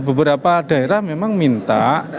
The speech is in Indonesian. beberapa daerah memang minta